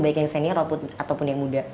baik yang senior ataupun yang muda